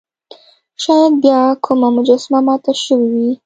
شاید بیا کومه مجسمه ماته شوې وي.